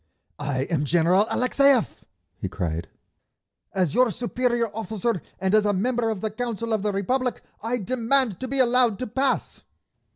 "I am General Alexeyev," he cried. "As your superior officer and as a member of the Council of the Republic I demand to be allowed to pass!"